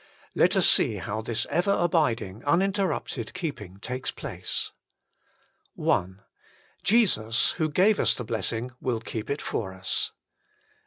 Let us see how this ever abiding, unin terrupted keeping takes place. I Jesus, wlio gave us the blessing, will keep it for us.